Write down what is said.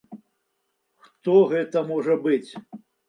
Хто гэта можа быць?